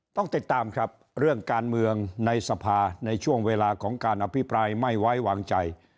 ต้องติดตามครับเรื่องการเมืองในสภาในช่วงเวลาของการอภิปรายไม่ไว้วางใจ